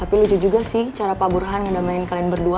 tapi lucu juga sih cara pak burhan ngedamaikan kalian berdua